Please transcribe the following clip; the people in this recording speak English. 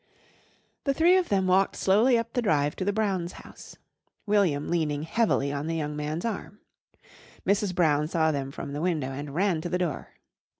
The three of them walked slowly up the drive to the Brown's house, William leaning heavily on the young man's arm. Mrs. Brown saw them from the window and ran to the door.